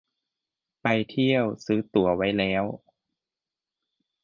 ไปเที่ยว ซื้อตั๋วไว้แล้ว